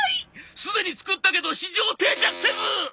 すでに作ったけど市場定着せず！」。